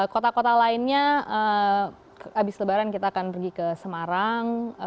kota kota lainnya habis lebaran kita akan pergi ke semarang